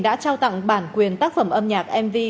đã trao tặng bản quyền tác phẩm âm nhạc mv